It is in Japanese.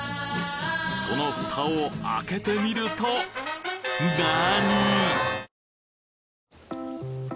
そのフタを開けてみると何ぃ！？